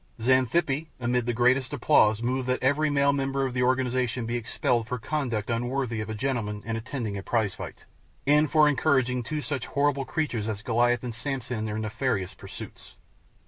Xanthippe, amid the greatest applause, moved that every male member of the organization be expelled for conduct unworthy of a gentleman in attending a prize fight, and encouraging two such horrible creatures as Goliath and Samson in their nefarious pursuits.